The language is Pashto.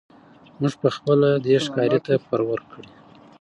موږ پخپله دی ښکاري ته پر ورکړی